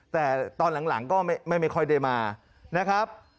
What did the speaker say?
แต่ตอนหลังก็ไม่ค่อยได้มานะครับ